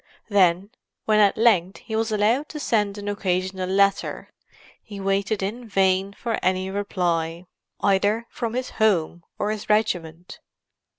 Then, when at length he was allowed to send an occasional letter, he waited in vain for any reply, either from his home or his regiment.